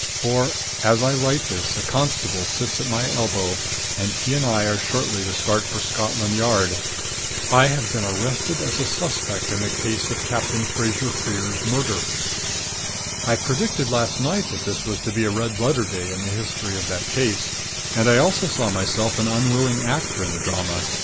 For, as I write this, a constable sits at my elbow, and he and I are shortly to start for Scotland Yard. I have been arrested as a suspect in the case of Captain Fraser Freer's murder! I predicted last night that this was to be a red letter day in the history of that case, and I also saw myself an unwilling actor in the drama.